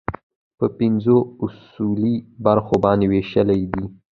په پنځو اصلي برخو باندې ويشلې ده